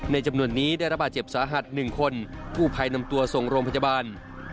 จำนวนนี้ได้ระบาดเจ็บสาหัส๑คนกู้ภัยนำตัวส่งโรงพยาบาล